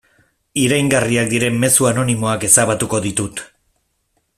Iraingarriak diren mezu anonimoak ezabatuko ditut.